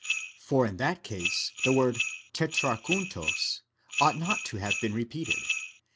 For in that case the word τετραρχοῦντος ought not to have been repeated